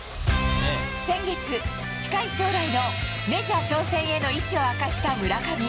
先月、近い将来のメジャー挑戦への意思を明かした村上。